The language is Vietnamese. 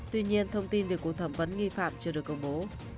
tuy nhiên thông tin về cuộc thẩm vấn nghi phạm chưa được công bố